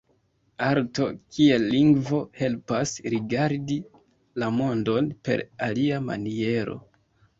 Arto kiel lingvo helpas rigardi la mondon per alia maniero.